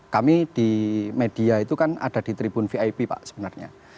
kami di media itu kan ada di tribun vip pak sebenarnya